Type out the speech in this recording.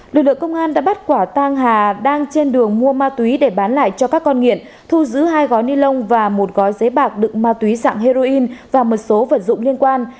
lực lượng công an đã bắt quả tang hà đang trên đường mua ma túy để bán lại cho các con nghiện thu giữ hai gói ni lông và một gói giấy bạc đựng ma túy dạng heroin và một số vật dụng liên quan